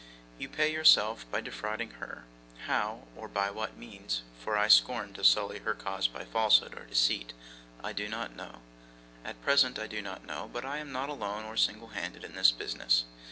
'You pay yourself by defrauding her. How or by what means for I scorn to sully her cause by falsehood or deceit I do not know; at present I do not know, but I am not alone or single handed in this business.